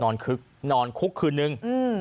คึกนอนคุกคืนนึง